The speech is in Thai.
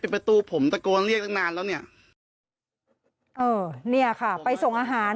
ประตูผมตะโกนเรียกตั้งนานแล้วเนี่ยเออเนี่ยค่ะไปส่งอาหาร